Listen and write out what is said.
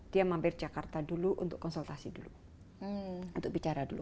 dia mampir jakarta dulu untuk konsultasi dulu untuk bicara dulu